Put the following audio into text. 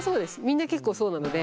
みんな結構そうなので。